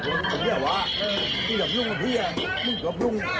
ต้องอยากไปที่นี่ว่าต้องอยากไปยุ่งที่นี่ต้องอยากไปยุ่ง